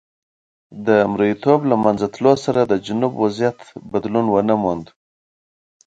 د مریتوب له منځه تلو سره د جنوب وضعیت بدلون ونه موند.